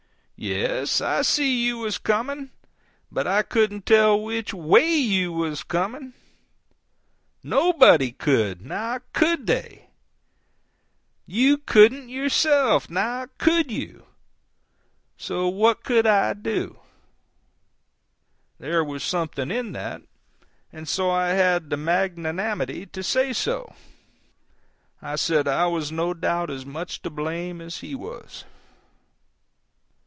"Yes, I see you was coming, but I couldn't tell which WAY you was coming. Nobody could—now, _could _they? You couldn't yourself—now, could you? So what could I do?" There was something in that, and so I had the magnanimity to say so. I said I was no doubt as much to blame as he was.